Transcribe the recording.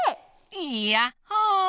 いやっほ！